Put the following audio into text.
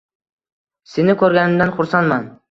Seni koʻrganimdan xursandman.